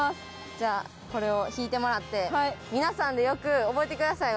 これを引いてもらって皆さんでよく覚えてください